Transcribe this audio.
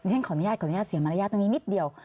นี่ถึงขออนุญาตเสียมารยาทตรงนี้นิดเดียว